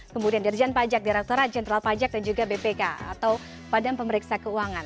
kemudian dirjen pajak direkturat jenderal pajak dan juga bpk atau badan pemeriksa keuangan